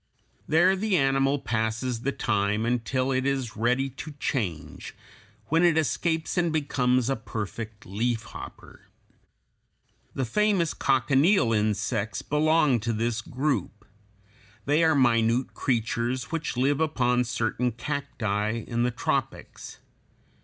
There the animal passes the time until it is ready to change, when it escapes and becomes a perfect leaf hopper. The famous cochineal insects (Fig. 215) belong to this group. They are minute creatures which live upon certain cacti in the tropics.